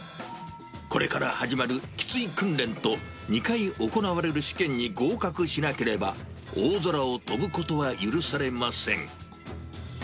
これから始まるきつい訓練と、２回行われる試験に合格しなければ、大空を飛ぶことは許されません。